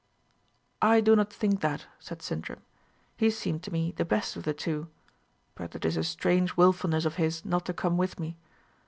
"I do not think that," said Sintram. "He seemed to me the best of the two. But it is a strange wilfulness of his not to come with me.